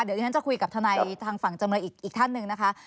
เดี๋ยวนี้จะคุยกับธนายทางฝั่งจำเลยอีก